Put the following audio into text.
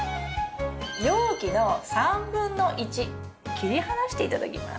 容器の３分の１切り離していただきます。